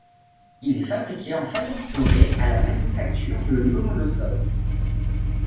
Il est fabriqué en faïence dorée à la manufacture de Lomonossov.